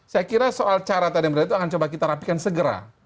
saya kira soal cara tadi yang berat itu akan coba kita rapikan segera